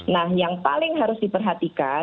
nah yang paling harus diperhatikan